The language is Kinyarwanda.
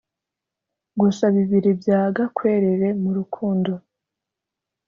gusa bibiri bya gakwerere murukundo.